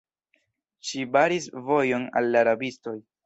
Ŝi baris vojon al la rabistoj.